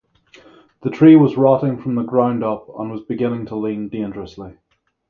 The tree was rotting from the ground up and was beginning to lean dangerously.